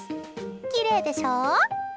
きれいでしょ。